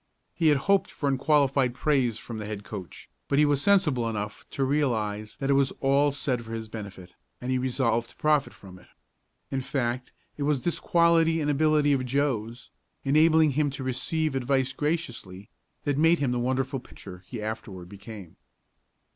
He had hoped for unqualified praise from the head coach, but he was sensible enough to realize that it was all said for his benefit, and he resolved to profit by it. In fact it was this quality and ability of Joe's enabling him to receive advice graciously that made him the wonderful pitcher he afterward became.